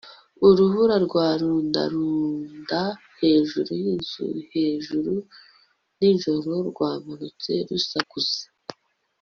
urubura rwarundarunda hejuru yinzu hejuru nijoro rwamanutse rusakuza